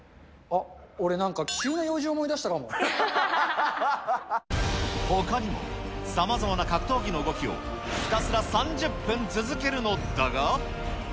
あっ、俺、急な用事思い出しほかにも、さまざまな格闘技の動きをひたすら３０分続けるのだが。